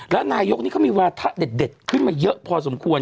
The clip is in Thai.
แล้วนายกนี้เขามีวาทะเด็ดขึ้นมาเยอะพอสมควร